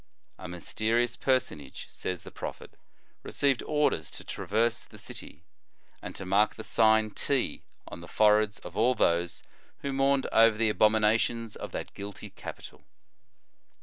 A mysterious personage, says the prophet, received orders to traverse the city, and to mark the sign T on the foreheads of all those who mourned over the abominations of that guilty capital.